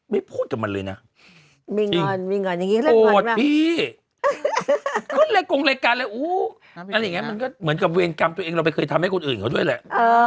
ขึ้นเลยกงเลยกันเลยอู้วอะไรอย่างงี้มันก็เหมือนกับเวียงกรรมตัวเองเราเคยทำให้คนอื่นเขาด้วยแหละ